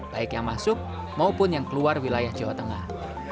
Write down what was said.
baik yang masuk maupun yang keluar wilayah jawa tengah